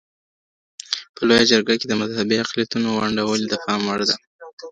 په لویه جرګه کي د مذهبي اقلیتونو ونډه ولي د پام وړ ده؟